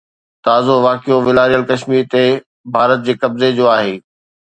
تازو واقعو والاريل ڪشمير تي ڀارت جي قبضي جو آهي.